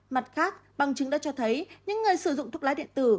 mặt khác bằng chứng đã cho thấy những người sử dụng thuốc lá điện tử